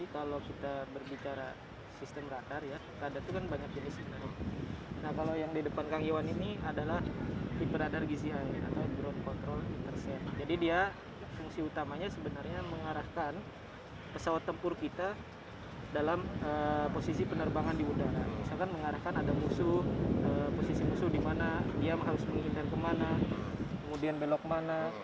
posisi musuh di mana dia harus mengintel ke mana kemudian belok ke mana